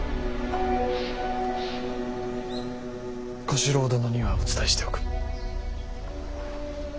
小四郎殿にはお伝えしておく。